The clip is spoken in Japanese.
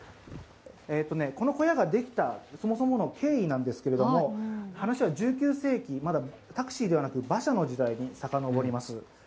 この小屋ができたそもそもの経緯なんですけれども、話は１９世紀、まだタクシーではなく馬車の時代に遡ります。